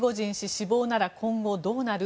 死亡なら今後どうなる？